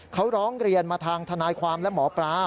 เขาร้องเรียนมาทางทนายความและหมอปลา